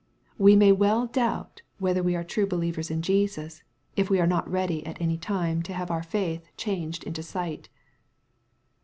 "( We may well doubt whether Wfe are true believers in Jesus, if we are not ready at any time to have our faith changed into sight.